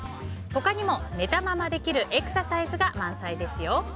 他にも寝たままできるエクササイズが満載ですよ。